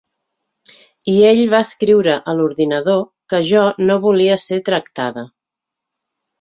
I ell va escriure a l’ordinador que jo no volia ser tractada.